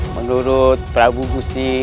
menurut prabu gusti